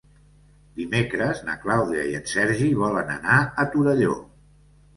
Dimecres na Clàudia i en Sergi volen anar a Torelló.